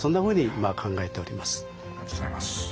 ありがとうございます。